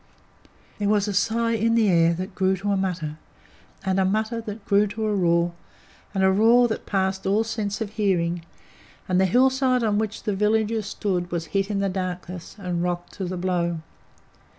There was a sigh in the air that grew to a mutter, and a mutter that grew to a roar, and a roar that passed all sense of hearing, and the hillside on which the villagers stood was hit in the darkness, and rocked to the blow.